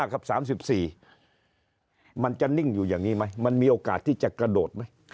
มันจะนิ่งอยู่อย่างนี้ไหมมันมีโอกาสที่จะกระโดดไหม